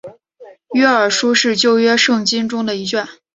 约珥书是旧约圣经中的一卷。